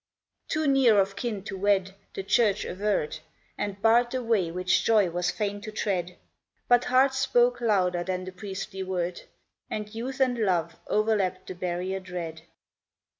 Too near of kin to wed, the Church averred, And barred the way which joy was fain to tread ; But hearts spoke louder than the priestly word, And youth and love o'erleaped the barrier dread.